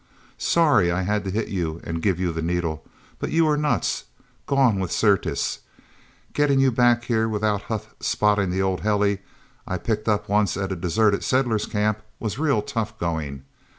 Sorry I had to hit you and give you the needle, but you were nuts gone with Syrtis. Getting you back here, without Huth spotting the old heli I picked up once at a deserted settlers' camp was real tough going.